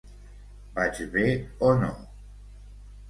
Vaig bé o no?